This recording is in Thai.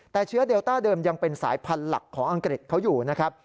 แต่เชื้อเดลต้าเดิมยังเป็นสายพันธุ์หลักของอังกฤษเขาอยู่นะครับ